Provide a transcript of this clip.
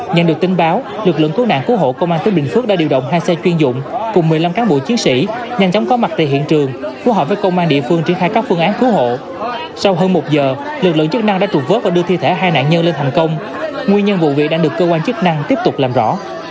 nhân chống có mặt tại hiện trường phù hợp với công an địa phương triển khai các phương án cứu hộ sau hơn một giờ lực lượng chức năng đã trục vớt và đưa thi thể hai nạn nhân lên thành công nguyên nhân vụ bị đã được cơ quan chức năng tiếp tục làm rõ